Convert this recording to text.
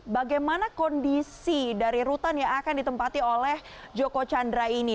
bagaimana kondisi dari rutan yang akan ditempati oleh joko chandra ini